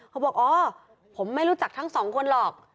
เขาบอกอ๋อผมไม่รู้จักทั้งสองคนหรอก